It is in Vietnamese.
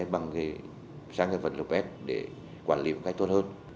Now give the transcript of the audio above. bằng cái sáng kết vật lục ép để quản lý một cách tốt hơn